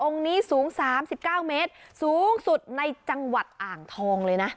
นี้สูง๓๙เมตรสูงสุดในจังหวัดอ่างทองเลยนะ